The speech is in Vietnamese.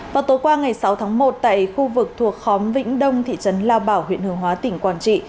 vào tối qua ngày sáu tháng một tại khu vực thuộc khóm vĩnh đông thị trấn lao bảo huyện hướng hóa tỉnh quảng trị